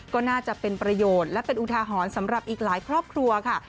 ก็น่าจะเป็นประโยชน์และเป็นอุทาหรณ์สำหรับอีกหลายครอบครัวค่ะ